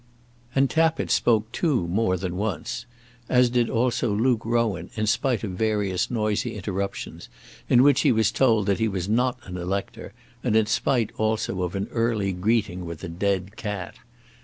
And Tappitt spoke too more than once, as did also Luke Rowan, in spite of various noisy interruptions in which he was told that he was not an elector, and in spite also of an early greeting with a dead cat.